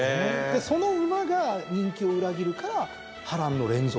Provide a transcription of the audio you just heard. その馬が人気を裏切るから波乱の連続。